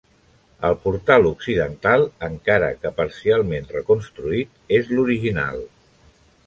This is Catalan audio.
El portal occidental, encara que parcialment reconstruït, és l'original.